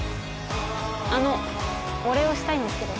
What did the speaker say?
あのお礼をしたいんですけど。